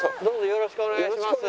よろしくお願いします。